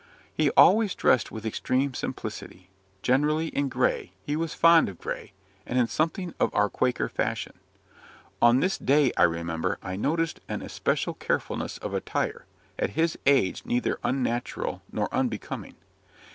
He always dressed with extreme simplicity; generally in grey, he was fond of grey; and in something of our Quaker fashion. On this day, I remember, I noticed an especial carefulness of attire, at his age neither unnatural nor unbecoming.